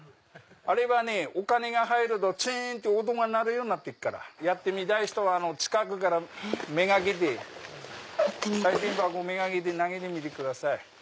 あれはねお金が入るとチンって音が鳴るようになってっからやってみたい人は近くから目がけてさい銭箱目がけて投げてみてください。